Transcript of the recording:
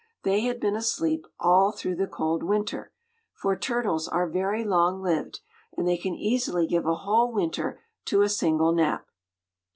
They had been asleep all through the cold weather, for turtles are very long lived, and they can easily give a whole winter to a single nap.